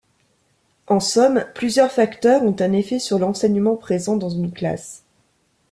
En somme, plusieurs facteurs ont un effet sur l'enseignement présent dans une classe.